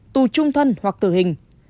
tù trung thân hoặc tử hình